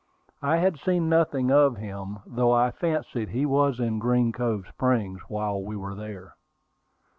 I had seen nothing of him, though I fancied he was in Green Cove Springs while we were there.